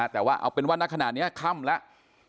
แต่ว่าเอาเป็นวันหน้าขนาดนี้ค่ำแล้ว